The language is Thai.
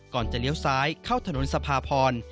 จะเลี้ยวซ้ายเข้าถนนสภาพร